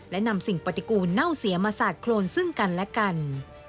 และนำสิ่งปฏิกูลเน่าเสียมาสาดโครนซึ่งกันและกัน